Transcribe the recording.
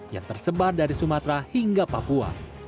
yang tersebar dari sumatera hingga papua